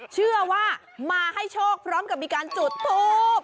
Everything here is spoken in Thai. เชื่อว่ามาให้โชคพร้อมกับมีการจุดทูบ